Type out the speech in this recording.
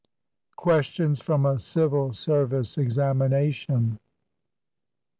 QUESTIONS FROM A CIVIL SERVICE EXAMINATION 1.